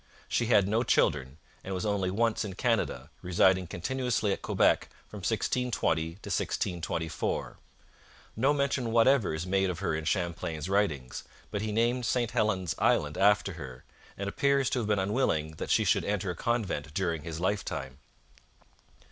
She had no children, and was only once in Canada, residing continuously at Quebec from 1620 to 1624. No mention whatever is made of her in Champlain's writings, but he named St Helen's Island after her, and appears to have been unwilling that she should enter a convent during his lifetime.